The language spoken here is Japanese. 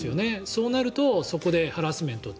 そうなるとそこでハラスメント。